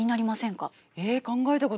え考えたことない。